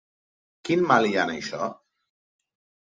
Quin mal hi ha en això?